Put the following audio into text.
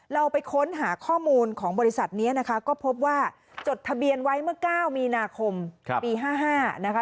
เราไปค้นหาข้อมูลของบริษัทนี้นะคะก็พบว่าจดทะเบียนไว้เมื่อ๙มีนาคมปี๕๕นะคะ